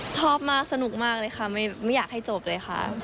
ชอบมากสนุกมากเลยค่ะไม่อยากให้จบเลยค่ะ